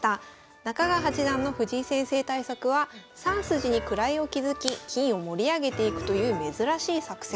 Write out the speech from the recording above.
中川八段の藤井先生対策は３筋に位を築き金を盛り上げていくという珍しい作戦。